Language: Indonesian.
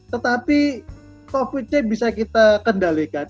tetapi covid nya bisa kita kendalikan